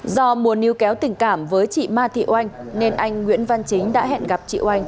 do muốn níu kéo tình cảm với chị ma thị oanh nên anh nguyễn văn chính đã hẹn gặp chị oanh